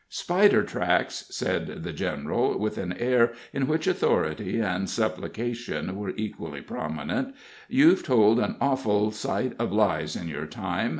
"Spidertracks," said the general, with an air in which authority and supplication were equally prominent, "you've told an awful sight of lies in your time.